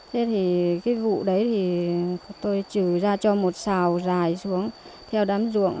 thế thì cái vụ đấy thì tôi chỉ ra cho một sào dài xuống theo đám ruộng